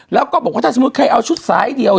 แล้วก็บอกว่าถ้าสมมุติใครเอาชุดสายเดียว